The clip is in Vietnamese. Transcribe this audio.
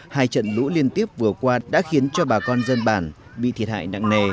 hai trận lũ liên tiếp vừa qua đã khiến cho bà con dân bản bị thiệt hại nặng nề